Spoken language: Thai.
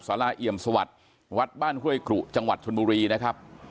สาราเอี่ยมสวัสดิ์วัดบ้านห้วยกรุจังหวัดชนบุรีนะครับ